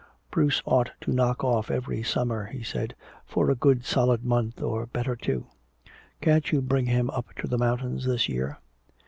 "Bruce ought to knock off every summer," he said, "for a good solid month, or better two. Can't you bring him up to the mountains this year?"